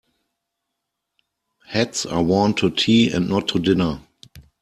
Hats are worn to tea and not to dinner.